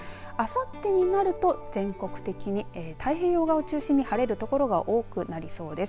あさってになると全国的に太平洋側を中心に晴れる所が多くなりそうです。